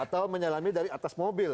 atau menyelami dari atas mobil